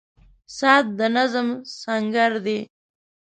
• ساعت د نظم سنګر دی.